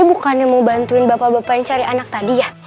bukannya mau bantuin bapak bapak yang cari anak tadi ya